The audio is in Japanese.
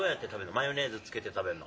マヨネーズつけて食べるの？